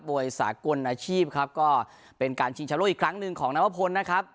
ยสากลอาชีพครับก็เป็นการชิงชะโลกอีกครั้งหนึ่งของนวพลนะครับ